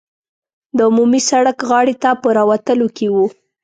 د عمومي سړک غاړې ته په راوتلو کې وو.